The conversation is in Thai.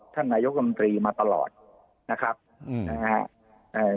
ท่านนายกรรมตรีมาตลอดนะครับอืมนะฮะเอ่อ